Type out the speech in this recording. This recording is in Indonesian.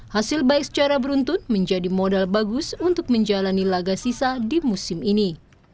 hasil baik secara beruntun menjadi modal bagus untuk menjalani laga sisa di musim ini